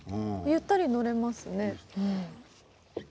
ゆったり乗れますね。